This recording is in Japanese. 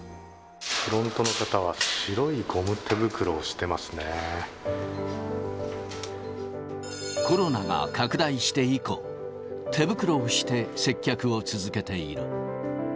フロントの方は、コロナが拡大して以降、手袋をして接客を続けている。